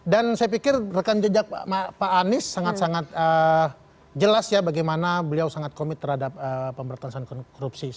dan saya pikir rekan jejak pak anies sangat sangat jelas ya bagaimana beliau sangat komit terhadap pemberantasan korupsi